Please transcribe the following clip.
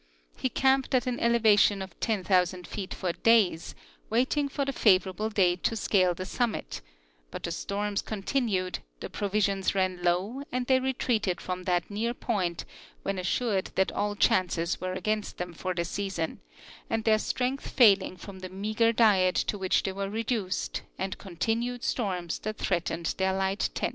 He camped at an elevatioii of 10,000 feet for days, waiting for the favorable day to scale the summit, but the storms continued, the provis ions ran low, and they retreated from that near point when as sured that all chances Avere against them for the season, and their strength failing from the meager diet to Avhich they were reduced and continued storms that threatened their light tent.